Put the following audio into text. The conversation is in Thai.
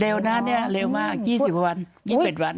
เร็วน่ะเนี่ยเร็วมากยี่สิบวันยี่สิบเอ็ดวัน